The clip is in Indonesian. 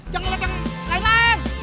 jangan lihat yang lain lain